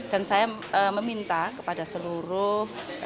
dan saya meminta kepada seluruh